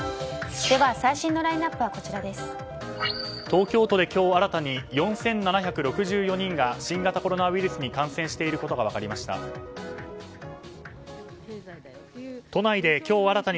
東京都で今日新たに４７６４人が新型コロナウイルスに感染していることが分かりました。